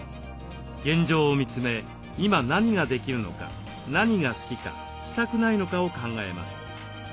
現状を見つめ今何ができるのか何が好きかしたくないのかを考えます。